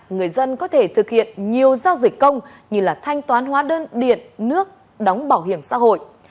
người dân có thể thực hiện nhiều giao dịch công như thanh toán hóa đơn điện nước đóng bảo hiểm xã hội